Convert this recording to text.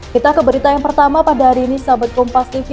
kita ke berita yang pertama pada hari ini sahabat kompas tv